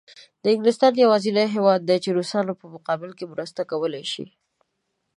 انګلستان یوازینی هېواد دی چې د روسانو په مقابل کې مرسته کولای شي.